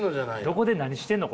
どこで何してんの？